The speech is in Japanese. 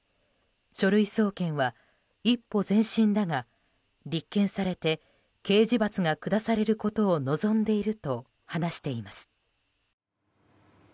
書類送検は一歩前進だが立件されて刑事罰が下されることを望んでいると話しています。